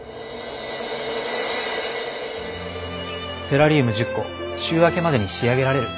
テラリウム１０個週明けまでに仕上げられる？